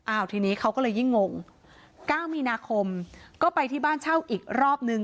ทีนี้เขาก็เลยยิ่งงง๙มีนาคมก็ไปที่บ้านเช่าอีกรอบนึง